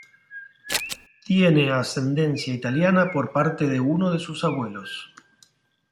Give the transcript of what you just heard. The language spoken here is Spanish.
Tiene ascendencia italiana por parte de uno de sus abuelos.